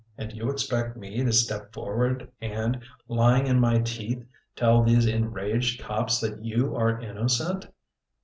And you expect me to step forward and, lying in my teeth, tell these enraged cops that you are innocent.